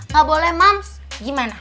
gak boleh mams gimana